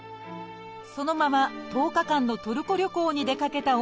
そのまま１０日間のトルコ旅行に出かけた緒方さん。